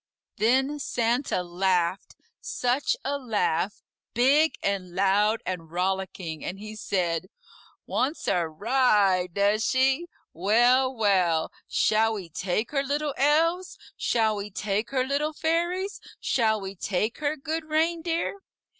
Then Santa laughed, SUCH a laugh, big and loud and rollicking, and he said, "Wants a ride, does she? Well, well, shall we take her, Little Elves? Shall we take her, Little Fairies? Shall we take her, Good Reindeer?"